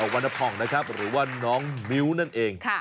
วรรณผ่องนะครับหรือว่าน้องมิ้วนั่นเอง